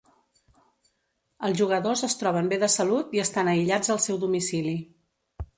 Els jugadors es troben bé de salut i estan aïllats al seu domicili.